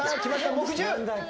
木１０！